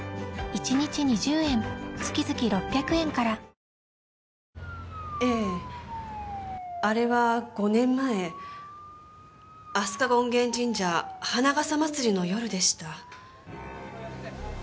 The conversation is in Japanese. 脂肪に選べる「コッコアポ」ええあれは５年前飛鳥権現神社花笠祭りの夜でした。